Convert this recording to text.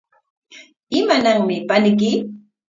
¿Imananmi paniyki?